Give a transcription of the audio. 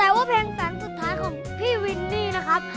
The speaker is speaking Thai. แต่ว่าเพลงแสนสุดท้ายของพี่วินนี่นะครับ